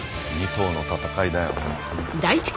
２頭の戦いだよ。